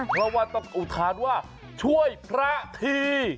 เพราะว่าต้องอุทานว่าช่วยพระที